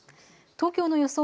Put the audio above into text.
東京の予想